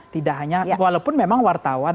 tidak hanya walaupun memang wartawan